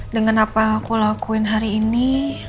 dengan apa yang aku lakuin hari ini